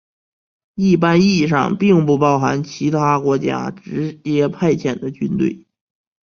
一般意义上并不包含其他国家直接派遣的军队。